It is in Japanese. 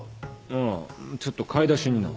ああちょっと買い出しにな。